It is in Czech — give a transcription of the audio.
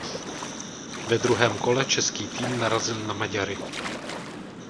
Ve druhém kole český tým narazil na Maďary.